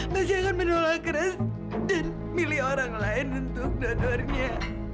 masih akan menolak keras dan milih orang lain untuk donornya